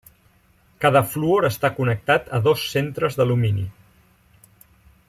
Cada fluor està connectat a dos centres d'alumini.